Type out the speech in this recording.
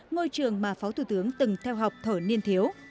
ngôi trường mà phó thủ tướng từng theo học thở niên thiếu